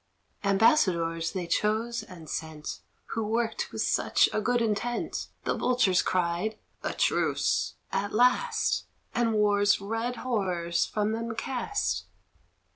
Ambassadors they chose and sent, Who worked with such a good intent, The Vultures cried, "A truce," at last, And wars red horrors from them cast.